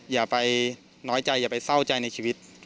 อย่าไปน้อยใจอย่าไปเศร้าใจในชีวิต